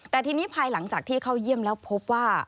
แต่ทีนี้ภายหลังจากที่เข้าเยี่ยมแล้วพบว่า